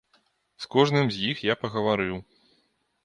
З кожным з іх я пагаварыў.